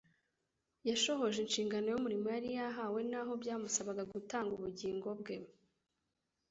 Yashohoje inshingano y'umurimo yari yahawe naho byamusabaga gutanga ubugingo bwe.